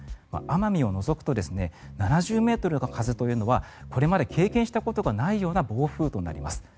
奄美を除くと７０ｍの風というのはこれまで経験したことがないような暴風となります。